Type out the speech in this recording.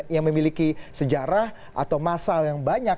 yang memiliki sejarah atau masal yang banyak